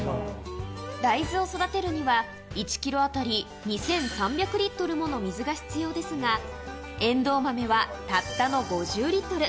大豆を育てるには１キロ当たり２３００リットルもの水が必要ですが、えんどう豆はたったの５０リットル。